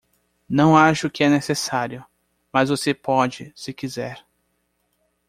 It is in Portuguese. Não acho que é necessário, mas você pode, se quiser.